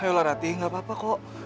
ayolah rati nggak apa apa kok